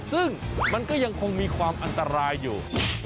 ซึ่งมันก็ยังคงมีความอันตรายอยู่